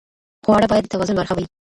خواړه باید د توازن برخه وي.